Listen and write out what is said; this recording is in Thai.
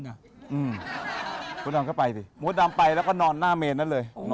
อืมคุณนอนเข้าไปสิหมูดำไปแล้วก็นอนหน้าเมนนั่นเลย